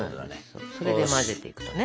それで混ぜていくとね。